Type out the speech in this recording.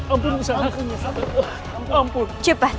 aku letaknya dekat